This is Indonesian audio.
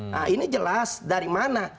nah ini jelas dari mana